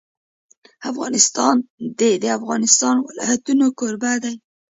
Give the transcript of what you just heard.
افغانستان د د افغانستان ولايتونه کوربه دی.